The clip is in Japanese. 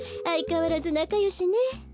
あいかわらずなかよしね。